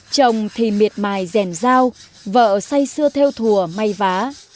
chồng thì miệt mài rèn dao vợ say xưa theo thùa may vá